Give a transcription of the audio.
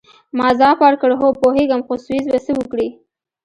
ما ځواب ورکړ: هو، پوهیږم، خو سویس به څه وکړي؟